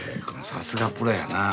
さすがプロやな。